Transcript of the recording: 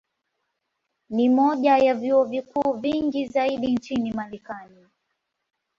Ni moja ya vyuo vikuu vingi zaidi nchini Marekani.